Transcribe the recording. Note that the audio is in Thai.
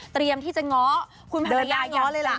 เตรียมที่จะง้อคุณภรรยาง้อเลยล่ะ